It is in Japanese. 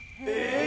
え